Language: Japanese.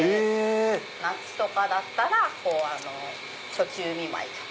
夏とかだったら暑中見舞いとか。